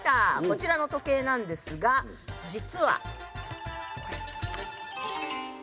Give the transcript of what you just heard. こちらの時計なんですが実はこれ。